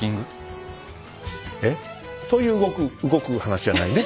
そういう動く動く話じゃないね。